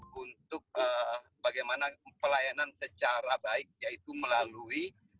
untuk bagaimana pelayanan secara baik yaitu melalui